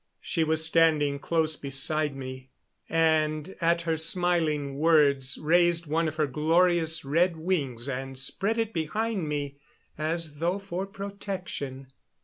She was standing close beside me, and at her smiling words raised one of her glorious red wings and spread it behind me as though for protection.